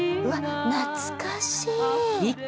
うわっ懐かしい。